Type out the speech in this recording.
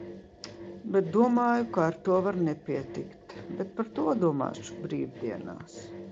Bet domāju, ka ar to var nepietikt. Bet par to domāšu brīvdienās.